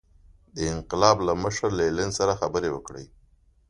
د انقلاب له مشر لینین سره خبرې وکړي.